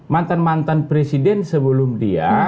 mantan mantan presiden sebelum dia